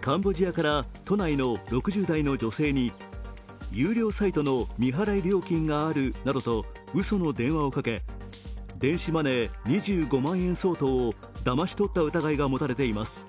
カンボジアから都内の６０代の女性に有料サイトの未払い料金があるなどとうその電話をかけ電子マネー２５万円相当をだまし取った疑いが持たれています。